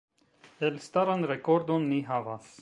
Elstaran rekordon ni havas.